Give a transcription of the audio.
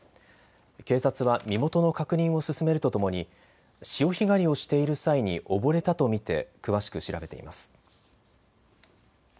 警察は身元の確認を進めるとともに潮干狩りをしている際に溺れたと見て詳しく調べています。